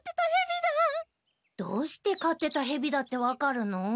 どうして飼ってたヘビだって分かるの？